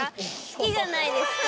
好きじゃないですか。